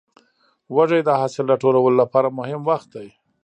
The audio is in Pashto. وږی د حاصل راټولو لپاره مهم وخت دی.